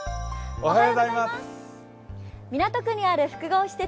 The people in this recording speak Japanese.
港区にある複合施設